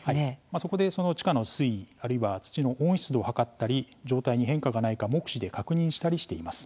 そこで、地下の水位あるいは土の温湿度を測ったり状態に変化がないか目視で確認したりしています。